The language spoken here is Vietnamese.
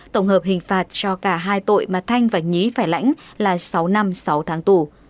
tổng hợp hình phạt cho cả hai tội mà thanh và nhí phải lãnh là sáu năm sáu tháng tù